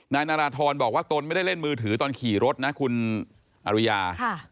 นายนาราธรบอกว่าตนไม่ได้เล่นมือถือตอนขี่รถนะคุณอริยา